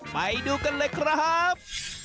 ไปดูกันเลยครับ